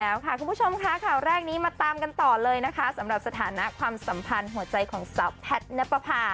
แล้วค่ะคุณผู้ชมค่ะข่าวแรกนี้มาตามกันต่อเลยนะคะสำหรับสถานะความสัมพันธ์หัวใจของสาวแพทย์นับประพา